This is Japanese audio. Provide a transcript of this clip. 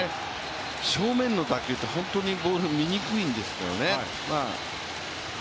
正面の打球って本当に見にくいんですよね。